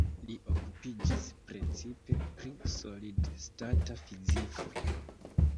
Li okupiĝis precipe pri solid-stata fiziko.